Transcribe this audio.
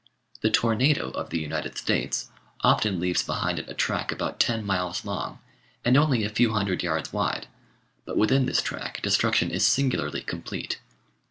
The "tornado" of the United States often leaves behind it a track about ten miles long and only a few hundred yards wide, but within this track destruction is singularly complete.